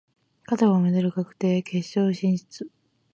勝てばメダル確定、決勝進出。